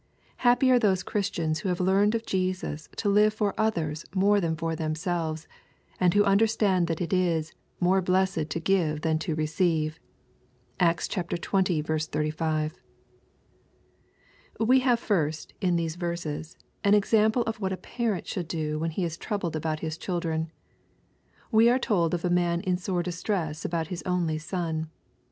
Happy are those Christians who have learned of Jesus to live for others more than for themselves, and who understand that it is " more blessed to give than to re ceive.*' (Acts XX. 35.) We have first, in these verses, an example of tohat a parent should do when he is troubled about his children. We are told of a man in sore distress about his only son.